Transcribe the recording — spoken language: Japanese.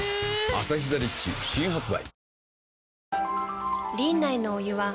「アサヒザ・リッチ」新発売